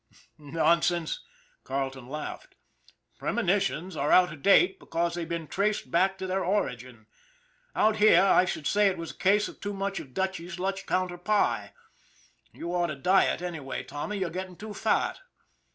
" Nonsense," Carleton laughed. " Premonitions are out of date, because they've been traced back to their origin. Out here, I should say it was a case of too much of Dutchy's lunch counter pie. You ought to diet anyway, Tommy, you're getting too fat.